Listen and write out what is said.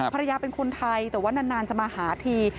ภรรยาเป็นคนไทยแต่ว่านานจะมาหาที